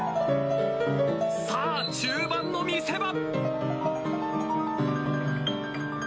さあ中盤の見せ場。